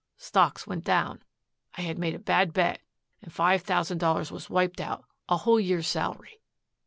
Stocks went down. I had made a bad bet and five thousand dollars was wiped out, a whole year's salary.